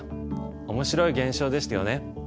面白い現象でしたよね。